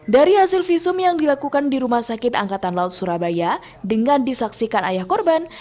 dari hasil visum yang dilakukan di rumah sakit angkatan laut surabaya dengan disaksikan ayah korban